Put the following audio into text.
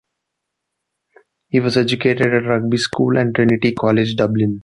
He was educated at Rugby School and Trinity College Dublin.